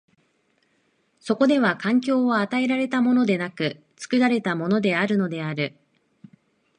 そこでは環境は与えられたものでなく、作られたものであるのである。